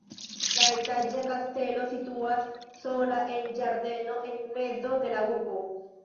La etaĝa kastelo situas sola en ĝardeno en mezo de la urbo.